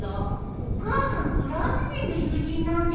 お母さんフランス人の友人なんているの？